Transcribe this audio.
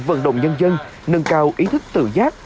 vận động nhân dân nâng cao ý thức tự giác